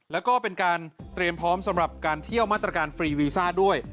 แล้วก็เป็นการเตรียมพร้อมสำหรับการเที่ยวมาตรการฟรีวีซ่าด้วย